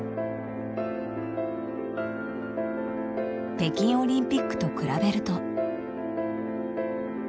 北京オリンピックと比べると。